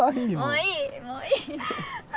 もういいもういい